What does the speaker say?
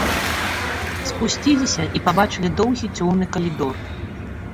Спусціліся і пабачылі доўгі цёмны калідор.